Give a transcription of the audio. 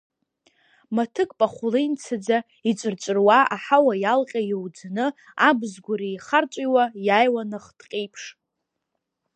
Маҭык пахәлеинцаӡа, иҵәырҵәыруа, аҳауа иалҟьа, иоуӡаны, абз гәыр еихарҵәиуа, иааиуан ахҭҟьеиԥш.